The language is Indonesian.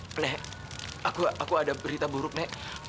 flek aku ada berita buruk nek